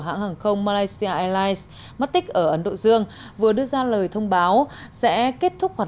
hãng hàng không malaysia airlines mattic ở ấn độ dương vừa đưa ra lời thông báo sẽ kết thúc hoạt